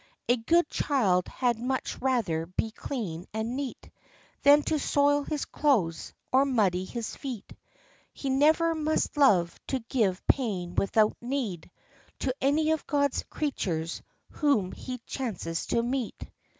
A good child had much rather be clean and neat, Than to soil his clothes, or muddy his feet; OF CHANTICLEER. 39 He never must love to give pain without need To any of God's creatures whom he chances to meet.